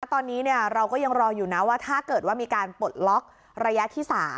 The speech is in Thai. ตอนนี้เราก็ยังรออยู่นะว่าถ้าเกิดว่ามีการปลดล็อกระยะที่๓